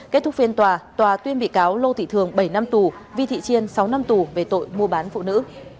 kết thúc phiên tòa tòa tuyên bị cáo lô thị thường bảy năm tù vi thị chiên sáu năm tù về tội mua bán phụ nữ